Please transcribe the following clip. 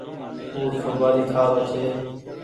او سوپآري کآ رو ڇي ۔